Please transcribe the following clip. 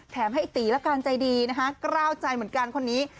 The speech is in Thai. แถมให้ไอ้ตีละกันใจดีนะคะกล้าวใจเหมือนกันคนนี้